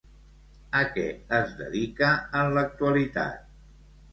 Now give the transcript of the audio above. A què es dedica en l'actualitat?